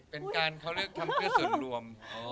เป็นการเขาเรียกทำเพื่อส่วนรวม